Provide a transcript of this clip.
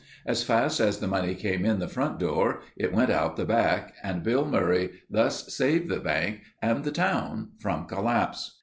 As fast as the money came in the front door, it went out the back and Billy Murray thus saved the bank and the town from collapse.